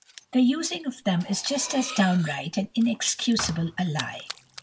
The using of them is just as downright and inexcusable a lie."